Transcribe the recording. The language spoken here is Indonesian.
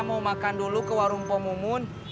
kamu makan dulu ke warung poh mumun